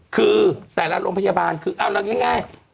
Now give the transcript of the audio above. คือแต่ละโรงพยาบาลเอาอย่างนี้ง่าย